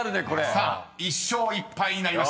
［さあ１勝１敗になりました］